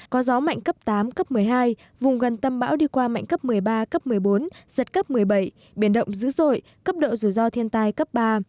có gió mạnh cấp tám cấp một mươi hai vùng gần tâm bão đi qua mạnh cấp một mươi ba cấp một mươi bốn giật cấp một mươi bảy biển động dữ dội cấp độ rủi ro thiên tai cấp ba